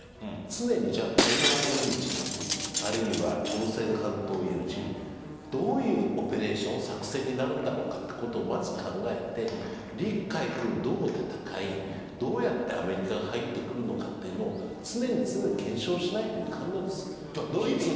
常に台湾有事あるいは朝鮮半島有事どういうオペレーション作戦になるんだろうかということをまず考えて陸海空どう戦い、どうやってアメリカが入ってくるのかというのを常に検証しなければいかんのです。